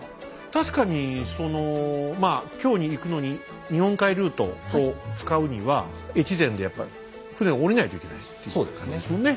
確かにそのまあ京に行くのに日本海ルートを使うには越前でやっぱり船を下りないといけないっていう感じですもんね。